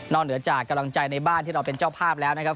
เหนือจากกำลังใจในบ้านที่เราเป็นเจ้าภาพแล้วนะครับ